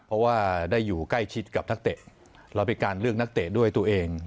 เพราะว่าได้อยู่ใกล้ชิดกับนักเตะเราเป็นการเลือกนักเตะด้วยตัวเอง